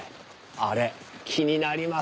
あれ気になりますよ。